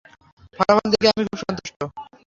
ফলাফল দেখে আমি খুব সন্তুষ্ট।